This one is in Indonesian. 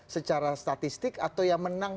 secara statistik atau yang menang